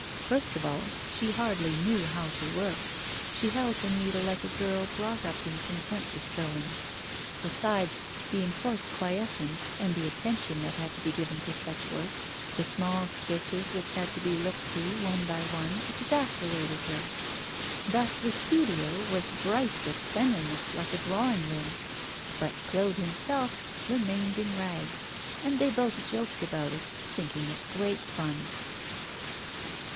First of all, she hardly knew how to work; she held her needle like a girl brought up in contempt of sewing. Besides, the enforced quiescence and the attention that had to be given to such work, the small stitches which had to be looked to one by one, exasperated her. Thus the studio was bright with cleanliness like a drawing room, but Claude himself remained in rags, and they both joked about it, thinking it great fun.